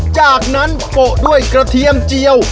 จากนั้นโปะด้วยกระเทียมเจียว